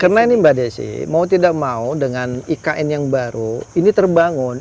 karena ini mbak desi mau tidak mau dengan ikn yang baru ini terbangun